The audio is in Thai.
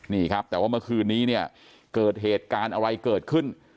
นี่ครับแต่ว่าเมื่อคืนนี้เนี่ยเกิดเหตุการณ์อะไรเกิดขึ้น